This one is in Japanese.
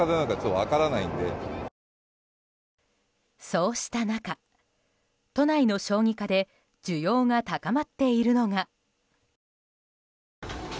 そうした中、都内の小児科で需要が高まっているのが。